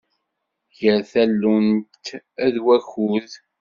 Gar tallunt ed wakud.